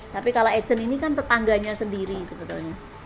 tapi kalau agent ini kan tetangganya sendiri sebetulnya